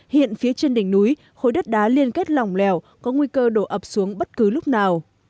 hiện phía trên đỉnh núi khối đất đá liên kết lòng lèo có nguy cơ đổ ập xuống bất cứ lúc nào